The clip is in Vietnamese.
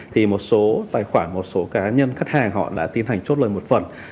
thì một số tài khoản một số cá nhân khách hàng họ đã tiến hành chốt lời một phần